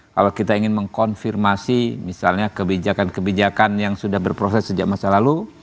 kalau kita ingin mengkonfirmasi misalnya kebijakan kebijakan yang sudah berproses sejak masa lalu